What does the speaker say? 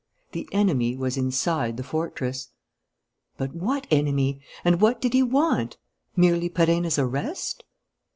The enemy was inside the fortress. But what enemy? And what did he want? Merely Perenna's arrest?